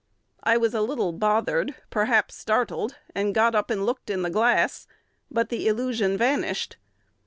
I was a little bothered, perhaps startled, and got up and looked in the glass; but the illusion vanished.